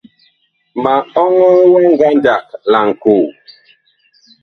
Ma ɔŋɔɔ ngandag wa laŋkoo.